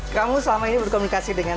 kamu selama ini berkomunikasi dengan